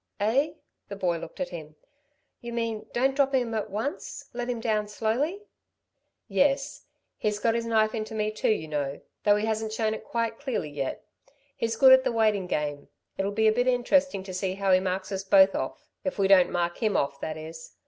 "Eh?" the boy looked at him. "You mean don't drop him at once ... let him down slowly." "Yes. He's got his knife into me, too, you know, though he hasn't shown it quite clearly yet. He's good at the waiting game. It'll be a bit interesting to see how he marks us both off if we don't mark him off, that is.